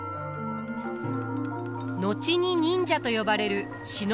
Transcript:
後に忍者と呼ばれる忍びの者。